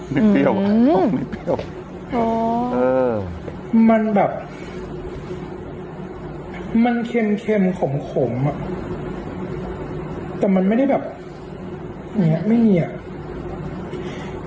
ไม่เปรี้ยวอ่ะอือมันแบบมันเค็มขมอ่ะแต่มันไม่ได้แบบอย่างเนี้ยไม่เหนียว